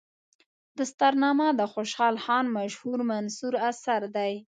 دستارنامه د خوشحال خان مشهور منثور اثر دی.